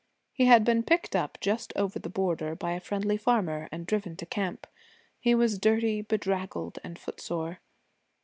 He had been picked up just over the border by a friendly farmer and driven to camp. He was dirty, dedraggled, and footsore.